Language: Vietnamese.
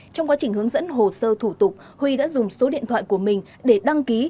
trong quá trình hướng dẫn hồ sơ thủ tục huy đã dùng số điện thoại của mình để đăng ký